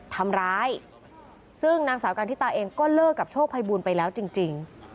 ทำร้ายซึ่งนางสาวกันทิตาเองก็เลิกกับโชคภัยบูลไปแล้วจริง